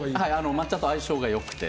抹茶と相性が良くて。